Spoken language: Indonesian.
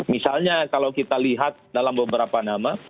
misalnya kalau kita lihat dalam beberapa nama